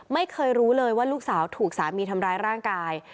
ไม่เคยรู้เลยว่าลูกสาวถูกสามีทำร้ายร่างกาย